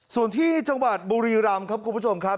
ส่วนที่จังหวัดบุรีรำครับคุณผู้ชมครับ